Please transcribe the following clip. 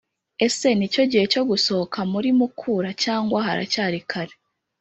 Ese ni cyo gihe cyo gusohoka muri mukura cyangwa haracyari kare